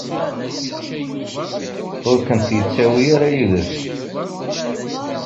Ur kent-yettawi ara yid-s.